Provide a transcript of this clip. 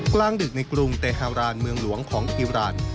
กลางดึกในกรุงเตฮารานเมืองหลวงของอิราณ